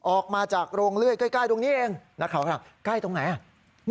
ออกมาจากโรงเลื่อยใกล้ตรงนี้เองนักข่าวถามใกล้ตรงไหนอ่ะ